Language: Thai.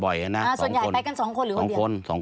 ส่วนใหญ่ไปกันสองคนหรือคนเดียว